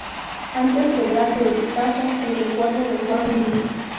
Antes que Braque o Picasso, el recuerdo de Juan Gris.